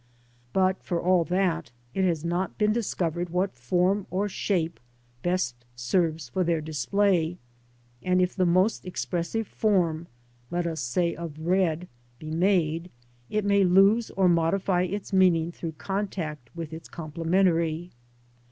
But, for all that, it has not been discovered what form or shape best serves for their display; and if the most expressive form, let us say, of red be made, it may lose or modify its meaning through contact with its complementary.